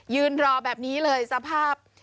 ยืนรอแบบนี้เลยสภาพ